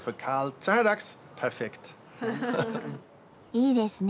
いいですね。